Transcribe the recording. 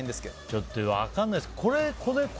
ちょっと分からないです。